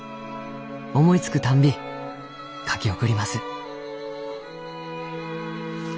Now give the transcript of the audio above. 思いつくたんび書き送ります」。